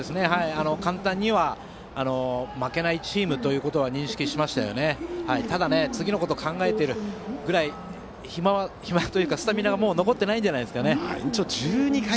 簡単には負けないチームということは認識しましたが次のことを考えるスタミナは残っていないんじゃないですかね。